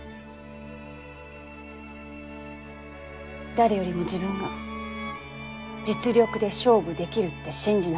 誰よりも自分が実力で勝負できるって信じなさい。